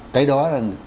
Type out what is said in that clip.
cái đó là